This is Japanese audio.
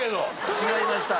違いました。